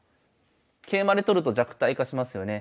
桂馬で取ると弱体化しますよね。